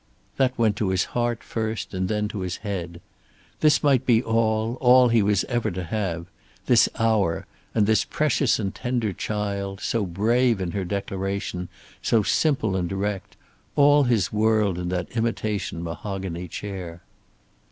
That went to his heart first, and then to his head. This might be all, all he was ever to have. This hour, and this precious and tender child, so brave in her declaration, so simple and direct; all his world in that imitation mahogany chair.